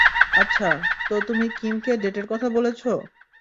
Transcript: আচ্ছা, তো তুমি কিমকে ডেটের কথা বলেছো?